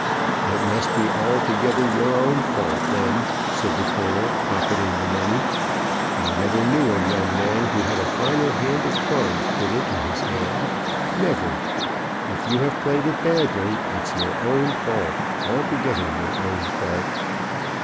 "It must be altogether your own fault then," said the colonel, pocketing the money. "I never knew a young man who had a finer hand of cards put into his hand never; if you have played it badly, it is your own fault, altogether your own fault."